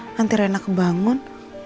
nanti rina kebangun